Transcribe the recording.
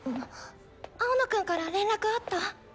青野くんから連絡あった？